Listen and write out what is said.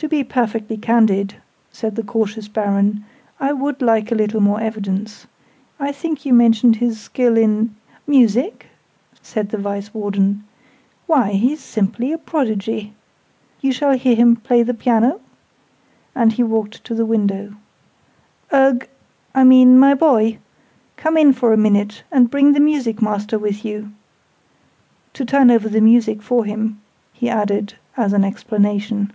"To be perfectly candid," said the cautious Baron, "I would like a little more evidence. I think you mentioned his skill in " "Music?" said the Vice Warden. "Why, he's simply a prodigy! You shall hear him play the piano." And he walked to the window. "Ug I mean my boy! Come in for a minute, and bring the music master with you! To turn over the music for him," he added as an explanation.